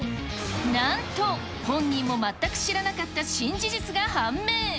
なんと本人も全く知らなかった新事実が判明。